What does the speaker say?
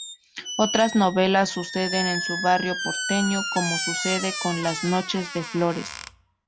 Otras novelas suceden en su barrio porteño, como sucede con "Las noches de Flores".